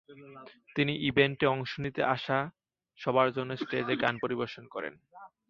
তিনি ইভেন্টে অংশ নিতে আসা সবার জন্য স্টেজে গান পরিবেশন করেন।